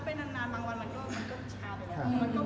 เพราะว่าเพราะมันรักไปนานบางวันมันก็ชาไปแล้ว